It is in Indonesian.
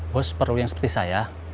bos perlu yang seperti saya